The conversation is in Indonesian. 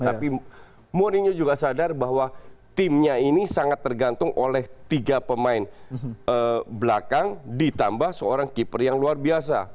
tapi mourinho juga sadar bahwa timnya ini sangat tergantung oleh tiga pemain belakang ditambah seorang keeper yang luar biasa